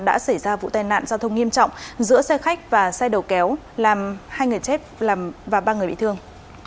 đã xảy ra vụ tai nạn giao thông nghiêm trọng giữa xe khách và xe đầu kéo làm hai người chết và ba người bị thương